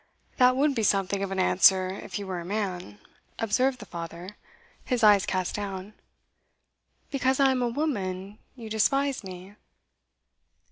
'That would be something of an answer if you were a man,' observed the father, his eyes cast down. 'Because I am a woman, you despise me?